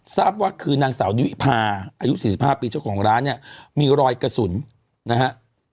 ทราบว่าคือนางสาวนิวิพาอายุ๔๕ปีเจ้าของร้านเนี่ยมีรอยกระสุนนะฮะ